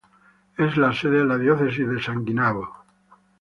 Es la sede de la Diócesis de Saginaw.